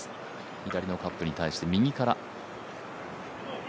左のカットに対して、右から。